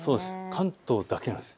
関東だけなんです。